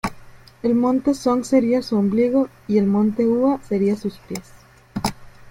El monte Song sería su ombligo, y el monte Hua sería sus pies.